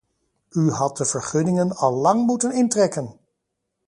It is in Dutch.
U had de vergunningen allang moeten intrekken!